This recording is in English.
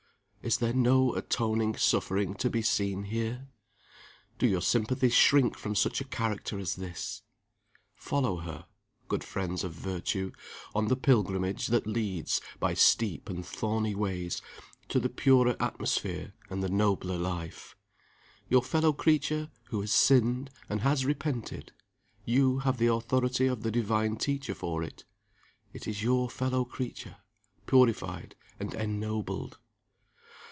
Is there no atoning suffering to be seen here? Do your sympathies shrink from such a character as this? Follow her, good friends of virtue, on the pilgrimage that leads, by steep and thorny ways, to the purer atmosphere and the nobler life. Your fellow creature, who has sinned and has repented you have the authority of the Divine Teacher for it is your fellow creature, purified and ennobled.